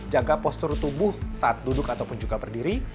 jaga postur tubuh saat duduk ataupun juga berdiri